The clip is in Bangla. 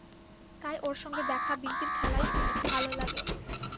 তাই ওর সঙ্গে দেখা-বিন্তির খেলাই ভালো খেলা।